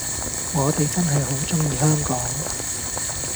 我哋真係好鍾意香港